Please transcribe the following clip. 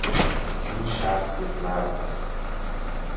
این شخص یک مرد است.